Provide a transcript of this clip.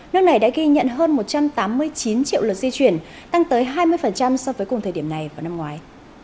nước này đã ghi nhận hơn một trăm tám mươi chín triệu lượt di chuyển tăng tới hai mươi so với cùng thời điểm này vào năm ngoái